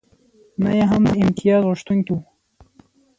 نه یې هم د امتیازغوښتونکی و.